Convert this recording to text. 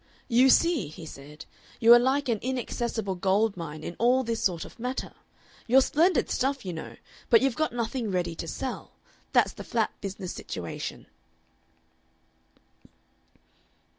"You see," he said, "you are like an inaccessible gold mine in all this sort of matter. You're splendid stuff, you know, but you've got nothing ready to sell. That's the flat business situation."